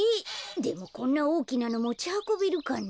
でもこんなおおきなのもちはこべるかな？